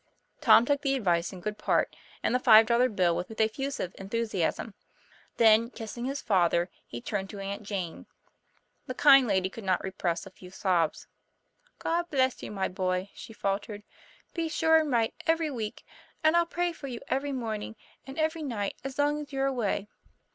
Tom took the advice in good part, and the five dollar bill with effusive enthusiasm. Then kissing TOM PLA YFAIR. 33 his father, he turned to Aunt Jane. The kind lady could not repress a few sobs. "God bless you, my boy!" she faltered. "Be sure and write every week; and I'll pray for you every morning and every night as long as you're away."